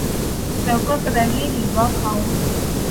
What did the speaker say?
แล้วก็แสดงให้เห็นว่า เขา